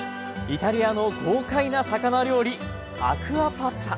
イタリアの豪快な魚料理アクアパッツァ。